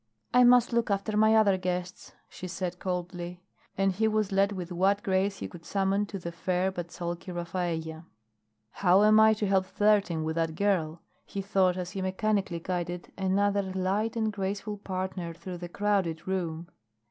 "I must look after my other guests," she said coldly; and he was led with what grace he could summon to the fair but sulky Rafaella. "How am I to help flirting with that girl?" he thought as he mechanically guided another light and graceful partner through the crowded room.